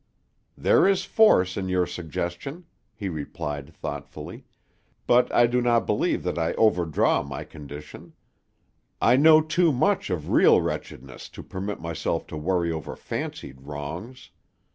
"There is force in your suggestion," he replied thoughtfully, "but I do not believe that I overdraw my condition; I know too much of real wretchedness to permit myself to worry over fancied wrongs.